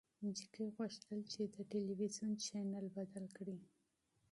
نجلۍ غوښتل چې د تلويزيون چاینل بدل کړي.